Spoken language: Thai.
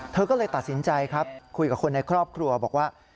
เธอก็เลยตัดสินใจครับคุยกับคนในครอบครัวบอกว่า